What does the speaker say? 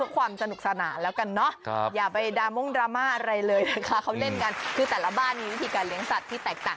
โอั้นเบอกใช้คำว่ากัดชากหัวที่ใครไม่มีสัตว์เลี้ยงแบบนี้นะคะแรมโบกัดชากหัว